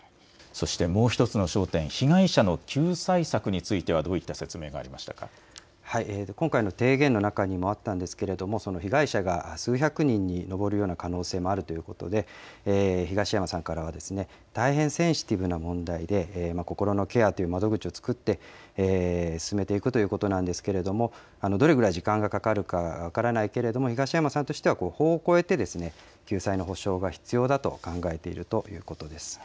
そしてもう１つの焦点、被害者の救済策についてはどういった今回の提言の中にもあったんですけれども、被害者が数百人に上るような可能性もあるということで、東山さんからは、大変センシティブな問題で、心のケアという窓口を作って進めていくということなんですけれども、どれぐらい時間がかかるか分からないけれども、東山さんとしては、法を超えて、救済の補償が必要だと考えているということです。